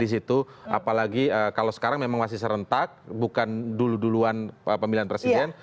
di situ apalagi kalau sekarang memang masih serentak bukan dulu duluan pemilihan presiden